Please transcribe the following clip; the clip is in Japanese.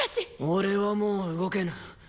俺はもう動けぬ。